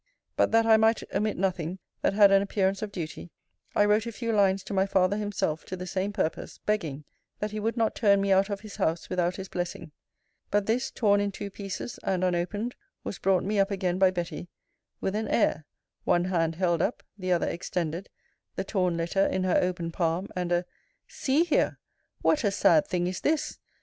But that I might omit nothing, that had an appearance of duty, I wrote a few lines to my father himself, to the same purpose; begging, that he would not turn me out of his house, without his blessing. But this, torn in two pieces, and unopened, was brought me up again by Betty, with an air, one hand held up, the other extended, the torn letter in her open palm; and a See here! What a sad thing is this!